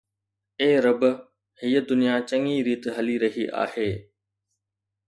اي رب، هي دنيا چڱي ريت هلي رهي آهي